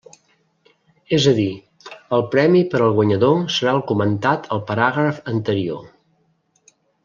És a dir, el premi per al guanyador serà el comentat al paràgraf anterior.